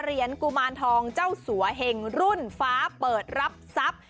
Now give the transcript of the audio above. กุมารทองเจ้าสัวเหงรุ่นฟ้าเปิดรับทรัพย์